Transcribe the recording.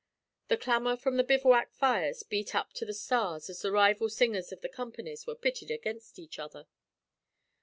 The clamor from the bivouac fires beat up to the stars as the rival singers of the companies were pitted against each other.